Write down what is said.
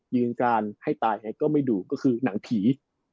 ยืนการให้ตายไงก็ไม่ดุก็คือหนังผี